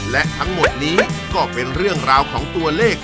และทั้งหมดนี้ก็เป็นเรื่องราวของตัวเลข